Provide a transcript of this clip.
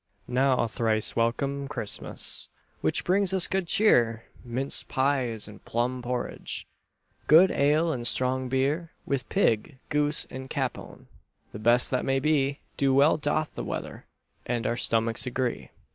Now thrice welcome, Christmas, Which brings us good cheer, Minced pies and plum porridge, Good ale and strong beer; With pig, goose, and capon, The best that may be, So well doth the weather And our stomachs agree.